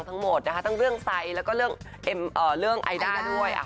ทั้งหมดนะคะทั้งเรื่องไซด์แล้วก็เรื่องไอด้าด้วย